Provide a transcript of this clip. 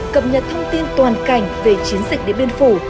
cập nhật thông tin toàn cảnh về chiến dịch điện biên phủ